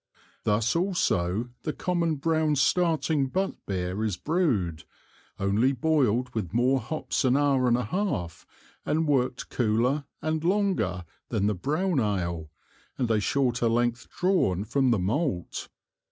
Thus also the common brown Starting Butt Beer is Brewed, only boiled with more Hops an Hour and a half, and work'd cooler and longer than the brown Ale, and a shorter Length drawn from the Malt.